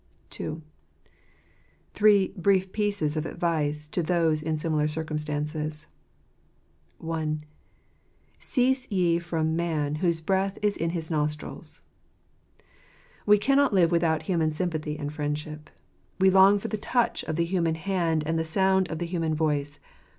II. Three Brief Pieces of Advice to those in Similar Circumstances. I ' v i. Cease ye from man , whose breath is in his nostrils I i We cannot live without human sympathy and friendship. ; We long for the touch of the human hand and the sound : of the human voice.